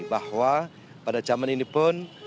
bahwa pada zaman ini pun